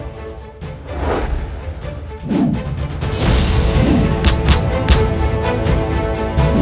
sekarang aku percaya kepadamu